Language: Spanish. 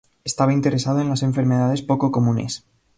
Estaba interesado en las enfermedades poco comunes.